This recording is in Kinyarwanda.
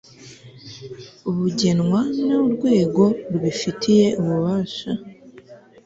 bugenwa n urwego rubifitiye ububasha